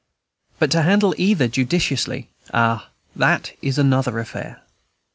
But to handle either judiciously, ah, that is another affair!